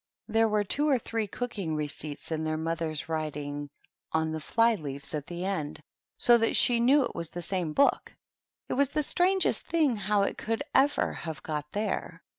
There were two or three cooking receipts in their mother^s writing on the fly leaves at the end, so that she knew it was the same book; it was the strangest thing how it could ever have got there.